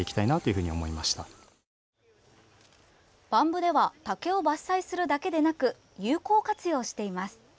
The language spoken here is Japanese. ＢＡＭ部では竹を伐採するだけでなく有効活用しています。